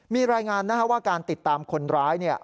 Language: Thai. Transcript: มีรายงานนะครับว่าการติดตามคนร้าย